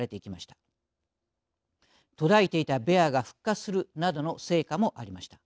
途絶えていたベアが復活するなどの成果もありました。